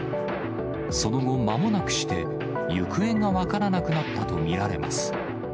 その後まもなくして、行方が分からなくなったと見られます。